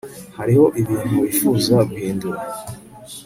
Hariho ibintu wifuza guhindura